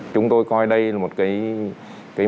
chúng tôi coi đây là một cái